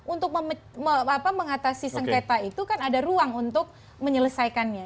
untuk mengatasi sengketa itu kan ada ruang untuk menyelesaikannya